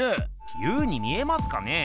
「Ｕ」に見えますかね？